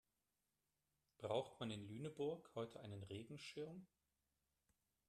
Braucht man in Lüneburg heute einen Regenschirm?